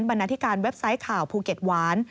นาธิการเว็บไซต์ข่าวภูเก็ตหวาน